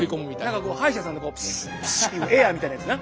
何か歯医者さんのこうエアみたいなやつな。